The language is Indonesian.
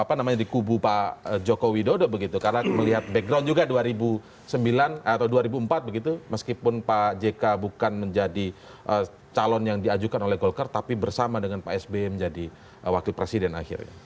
apa namanya di kubu pak joko widodo begitu karena melihat background juga dua ribu sembilan atau dua ribu empat begitu meskipun pak jk bukan menjadi calon yang diajukan oleh golkar tapi bersama dengan pak sby menjadi wakil presiden akhirnya